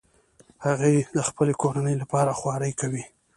هغوی د خپلې کورنۍ لپاره خواري کوي